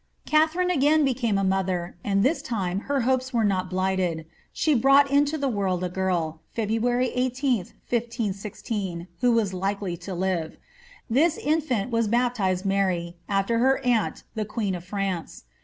Katharine again became a mother, and this time her hopes were not blighted. She brouglit into the worid a giri, February 18, 1516, who was likely to live. This infant was baptised Mary, after her aunt the qneen of France.